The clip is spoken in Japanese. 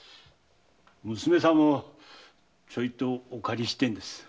娘さんをちょいとお借りしたいんです。